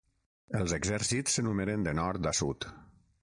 Els exèrcits s'enumeren de nord a sud.